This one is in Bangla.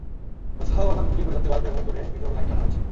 কোথাও আবার খুঁটির পরিবর্তে বাঁশ ব্যবহার করে বিতরণ লাইন টানা হয়েছে।